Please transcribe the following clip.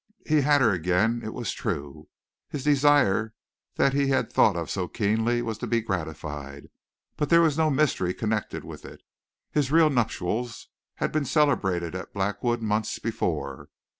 He had her again it was true. His desire that he had thought of so keenly was to be gratified, but there was no mystery connected with it. His real nuptials had been celebrated at Blackwood months before.